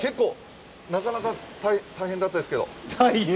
なかなか大変だったですけど。